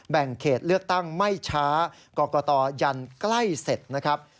แบ่งเขตเลือกตั้งไม่ช้ากรกตยันใกล้เสร็จนะครับ